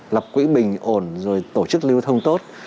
lập quỹ bình ổn rồi tổ chức lưu thông tốt